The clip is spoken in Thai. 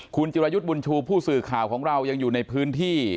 คุณจิรายุทธ์บุญชูผู้สื่อข่าวของเรายังอยู่ในพื้นที่